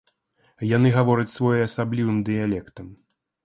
Яны гавораць своеасаблівым дыялектам.